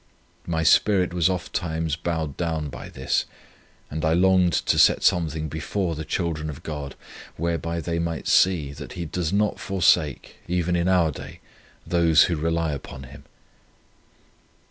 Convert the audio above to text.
My spirit was ofttimes bowed down by this, and I longed to set something before the children of God, whereby they might see, that He does not forsake, even in our day, those who rely upon Him.